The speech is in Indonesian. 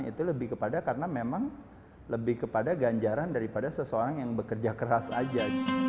itu lebih kepada karena memang lebih kepada ganjaran daripada seseorang yang bekerja keras saja